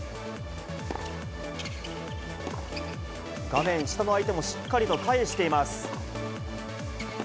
画面下の相手もしっかりと返しています。